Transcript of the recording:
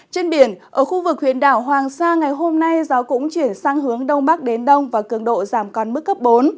trên biển ở khu vực huyện đảo hoàng sa ngày hôm nay gió cũng chuyển sang hướng đông bắc đến đông và cường độ giảm còn mức cấp bốn